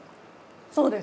そうです。